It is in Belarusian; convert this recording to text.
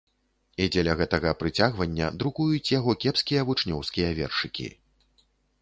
І дзеля гэтага прыцягвання друкуюць яго кепскія вучнёўскія вершыкі.